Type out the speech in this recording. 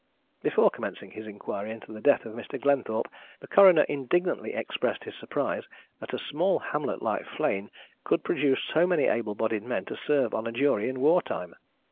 Before commencing his inquiry into the death of Mr. Glenthorpe, the coroner indignantly expressed his surprise that a small hamlet like Flegne could produce so many able bodied men to serve on a jury in war time.